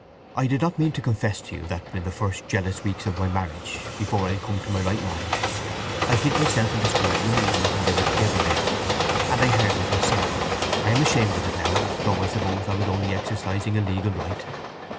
I did not mean to confess to you that in the first jealous weeks of my marriage, before I had come to my right mind, I hid myself in the school one evening when they were together there, and I heard what they said. I am ashamed of it now, though I suppose I was only exercising a legal right.